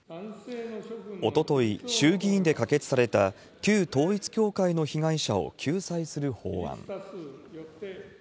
おととい、衆議院で可決された旧統一教会の被害者を救済する法案。